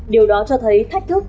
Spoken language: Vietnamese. điều đó cho thấy thách thức